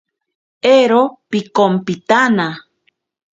Eero pikompitana.